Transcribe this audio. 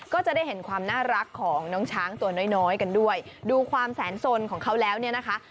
ก็จะได้เห็นความน่ารักของน้องช้างตัวน้อยน้อยกันด้วยดูความแสนสนของเขาแล้วเนี่ยนะคะ